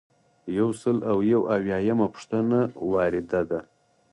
یو سل او یو اویایمه پوښتنه وارده ده.